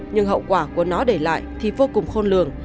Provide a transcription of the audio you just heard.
nhưng hậu quả của nó để lại thì vô cùng khôn lường